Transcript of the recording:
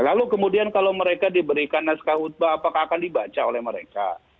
lalu kemudian kalau mereka diberikan naskah hutbah apakah akan dibaca oleh mereka